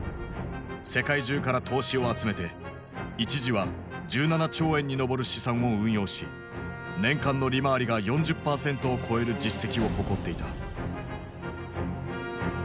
世界中から投資を集めて一時は１７兆円に上る資産を運用し年間の利回りが４０％を超える実績を誇っていた。